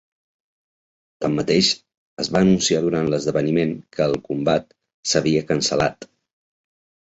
Tanmateix, es va anunciar durant l'esdeveniment que el combat s'havia cancel·lat.